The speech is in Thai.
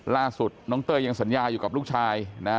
ล่าสุดน้องเต้ยยังสัญญาอยู่กับลูกชายนะ